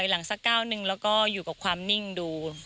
แล้วก็อยู่กับความนิ่งดู